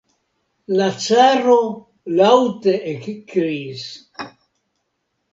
La caro laŭte ekkriis.